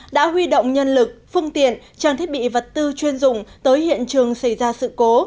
đã huy động nhân lực phương tiện trang thiết bị vật tư chuyên dụng tới hiện trường xảy ra sự cố